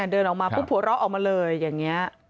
เดินออกมาปุ๊บหัวเราะออกมาเลยอย่างนี้